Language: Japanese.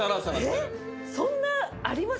えっそんなあります？